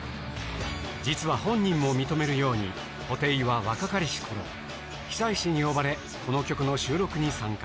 実は本人も認めるように、布袋は若かりしころ、久石に呼ばれ、この曲の収録に参加。